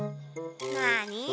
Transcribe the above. なに？